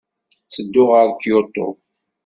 Ttedduɣ ɣer Kyoto.